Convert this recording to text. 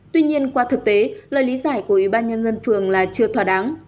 tuy nhiên qua thực tế lời lý giải của ủy ban nhân dân phường là chưa thỏa đáng